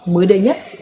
mới đây nhất